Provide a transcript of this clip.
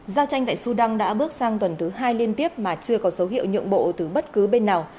giao tranh tại sudan đã bước sang tuần thứ hai liên tiếp mà chưa có dấu hiệu nhượng bộ từ bất cứ bên nào